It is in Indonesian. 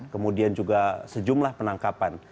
kemudian juga sejumlah penangkapan